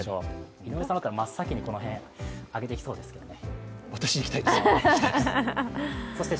井上さんだったら真っ先にこの辺挙げてきそうですね。